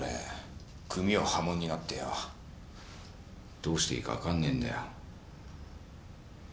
どうしていいか分かんねぇんだよ。